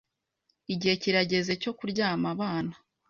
Igihe kirageze cyo kuryama abana.